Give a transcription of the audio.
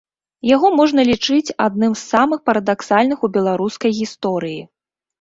Яго можна лічыць адным з самых парадаксальных у беларускай гісторыі.